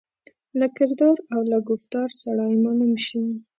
له کردار او له ګفتار سړای معلوم شي.